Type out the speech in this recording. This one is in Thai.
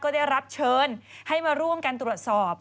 ก็ได้รับเชิญให้มาร่วมกันตรวจสอบ